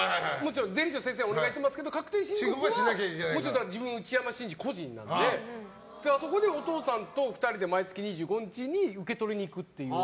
税理士の先生はいますけど確定申告はもちろん内山信二個人なのでそこにお父さんと２人で毎月２５日に受け取りに行くっていう。